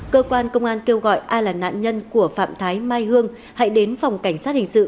cơ quan công an kêu gọi ai là nạn nhân của phạm thái mai hương hãy đến phòng cảnh sát hình sự